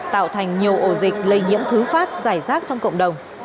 tạo thành nhiều ổ dịch lây nhiễm thứ phát giải rác trong cộng đồng